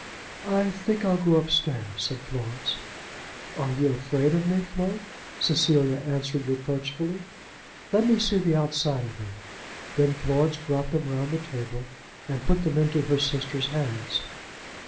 "I think I'll go upstairs," said Florence. "Are you afraid of me, Flo?" Cecilia answered reproachfully. "Let me see the outside of them." Then Florence brought them round the table, and put them into her sister's hands.